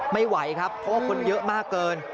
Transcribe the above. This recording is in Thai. ไม่ไหวครับเพราะว่าคนเยอะมากเกิน